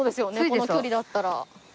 この距離だったら。